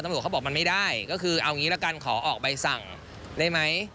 ตำรวจเขาบอกมันไม่ได้ก็คือเอางี้ละกันขอออกใบสั่งได้ไหม